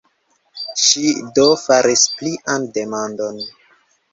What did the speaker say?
Ŝi, do, faris plian demandon.